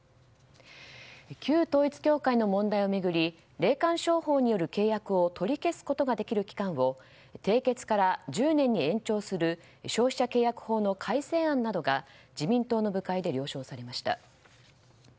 旧統一教会の問題を巡り霊感商法による契約を取り消すことができる期間を締結から１０年に延長する消費者契約法の改正案などが自民党の部会で了承されました。